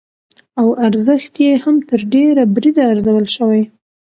او ارزښت يې هم تر ډېره بريده ارزول شوى،